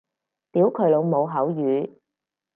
屌佢老母口語